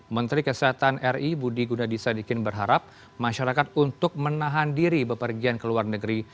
menteri kesehatan ri budi gunadisadikin berharap masyarakat untuk menahan diri bepergian ke luar negeri